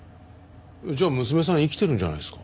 じゃあ娘さん生きてるんじゃないんですか？